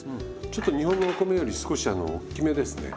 ちょっと日本のお米より少しおっきめですね。